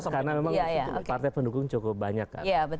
karena memang partai pendukung cukup banyak kan